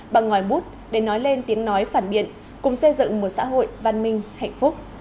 bằng ngòi bút để nói lên tiếng nói phản biện cùng xây dựng một xã hội văn minh hạnh phúc